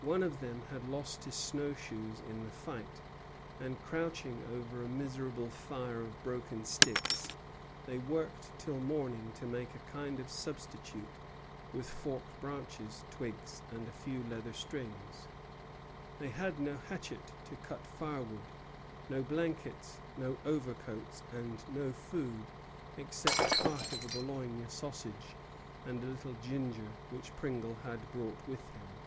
One of them had lost his snow shoes in the fight; and, crouching over a miserable fire of broken sticks, they worked till morning to make a kind of substitute with forked branches, twigs, and a few leather strings. They had no hatchet to cut firewood, no blankets, no overcoats, and no food except part of a Bologna sausage and a little ginger which Pringle had brought with him.